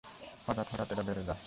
হঠাৎ হঠাৎ এটা বেড়ে যায়।